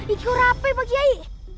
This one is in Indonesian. iku rape pak kyai